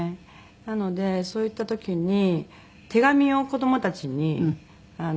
なのでそういった時に手紙を子どもたちにくれるんですけど。